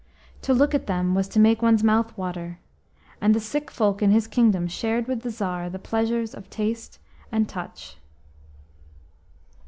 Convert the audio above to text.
To look at them was to make one's mouth water, and the sick folk in his kingdom shared with the Tsar the pleasures of taste and touch.